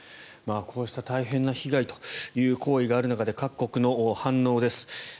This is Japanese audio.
こうした大変な被害という行為がある中で各国の反応です。